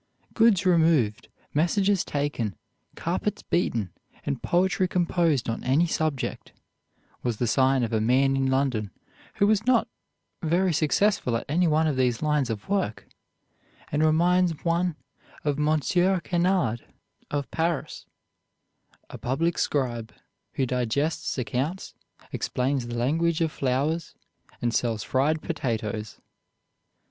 "Goods removed, messages taken, carpets beaten, and poetry composed on any subject," was the sign of a man in London who was not very successful at any of these lines of work, and reminds one of Monsieur Kenard, of Paris, "a public scribe, who digests accounts, explains the language of flowers, and sells fried potatoes."